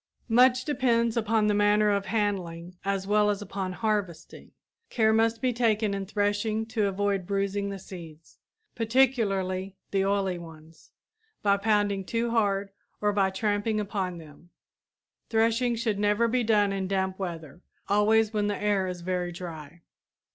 Much depends upon the manner of handling as well as upon harvesting. Care must be taken in threshing to avoid bruising the seeds, particularly the oily ones, by pounding too hard or by tramping upon them. Threshing should never be done in damp weather; always when the air is very dry.